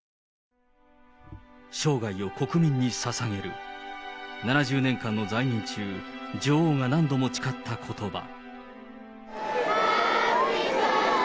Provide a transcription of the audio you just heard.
生涯を国民にささげる、７０年間の在任中、女王が何度も誓ったことば。